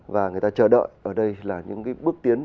và người ta chờ đợi ở đây là những cái bước tiến